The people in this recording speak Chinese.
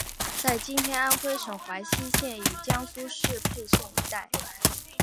在今天安微省睢溪县与江苏省沛县一带。